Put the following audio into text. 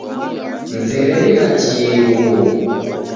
Mzerenyi nachie ighuo.